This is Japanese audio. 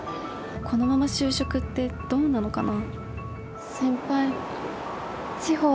このまま就職ってどうなのかな？